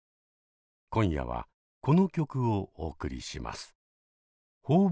今夜はこの曲をお送りします。